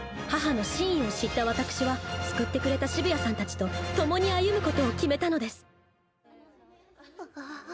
母の真意を知ったわたくしは救ってくれた澁谷さんたちと共に歩むことを決めたのですあっ